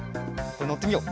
のってみよう。